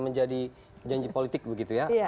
menjadi janji politik begitu ya